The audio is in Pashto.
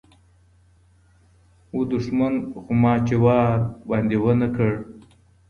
و دښمن خو ما چي وار باندي و نه کړ